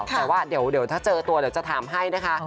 แต่ว่าเดี๋ยวถ้าเจอตัวเดี๋ยวจะถามให้นะคะ